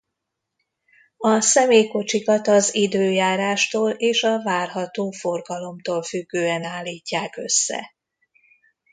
A személykocsikat az időjárástól és a várható forgalomtól függően állítják össze.